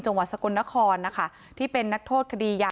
จังหวัดสกลนครนะคะที่เป็นนักโทษคดียา